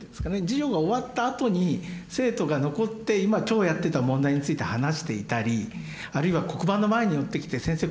授業が終わったあとに生徒が残って今日やってた問題について話していたりあるいは黒板の前に寄ってきて先生